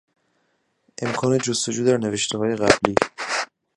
امکان جستجو در نوشتههای قبلی